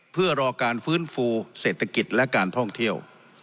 เพื่อรอการฟื้นฟูเศรษฐกิจและการท่องเที่ยว